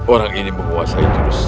orang ini menguasai jurus